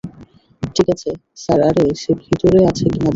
ঠিক আছে, স্যার আরে, সে ভিতরে আছে কিনা দেখ?